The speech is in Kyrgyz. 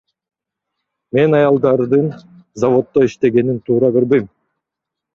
Мен аялдардын заводдо иштегенин туура көрбөйм.